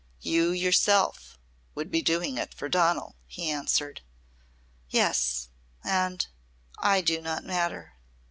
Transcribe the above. "You yourself would be doing it for Donal," he answered. "Yes. And I do not matter."